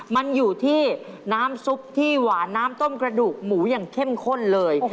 มันอยู่ที่น้ำซุปที่หวานน้ำต้มกระดูกหมูอย่างเข้มข้นเลย